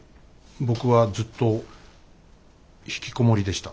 僕はずっとひきこもりでした。